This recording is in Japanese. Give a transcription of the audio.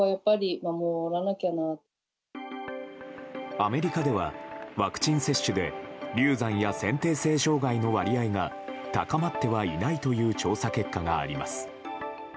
アメリカではワクチン接種で流産や先天性障害の割合が高まってはいないという調査結果があります。